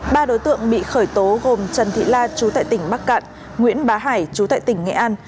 ba đối tượng bị khởi tố gồm trần thị la chú tại tỉnh bắc cạn nguyễn bá hải chú tại tỉnh nghệ an